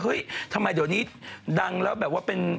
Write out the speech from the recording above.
ทำไมเดี๋ยวนี้ดังแล้วแบบว่าเป็น